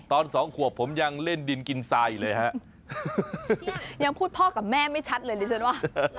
สองขวบผมยังเล่นดินกินทรายอยู่เลยฮะยังพูดพ่อกับแม่ไม่ชัดเลยดิฉันว่า